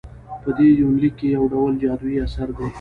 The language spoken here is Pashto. په دې يونليک کې يوډول جادويي اثر دى